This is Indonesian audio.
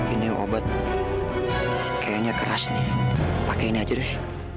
ini obat kayaknya keras nih pakai ini aja deh